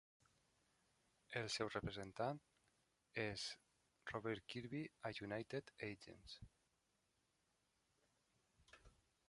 El seu representant és Robert Kirby a United Agents.